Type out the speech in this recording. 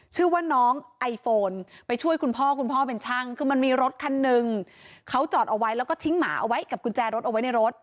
ชื่อว่าน้องไอโฟนไปช่วยคุณพ่อคุณพ่อเป็นช่างคือมันมีรถคันหนึ่งเขาจอดเอาไว้แล้วก็ทิ้งหมาเอาไว้กับกุญแจรถเอาไว้ในรถ